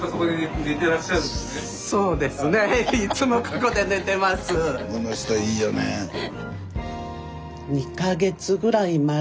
この人いいよねえ。